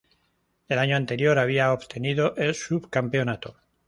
El año anterior había obtenido el subcampeonato.